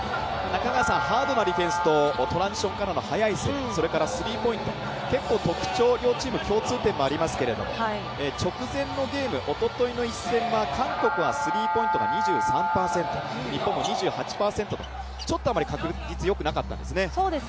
ハードなディフェンスとトランジションからの速いプレー、それからスリーポイント、特徴、両チーム共通点もありますけど直前のゲーム、おとといの試合は韓国はスリーポイントが２３％日本も２８％とちょっとあまり確率よくなかったんですね。